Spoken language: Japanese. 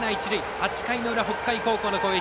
８回の裏、北海高校の攻撃。